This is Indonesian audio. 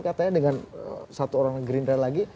katanya dengan satu orang gerindra lagi